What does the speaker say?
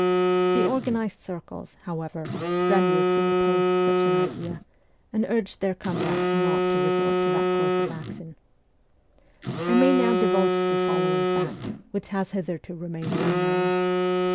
The ST. PETERSBURG 107 organised circles, however, strenuously opposed such an idea, and urged their comrades not to resort to that course of action. I may now divulge the following fact, which has hitherto remained unknown.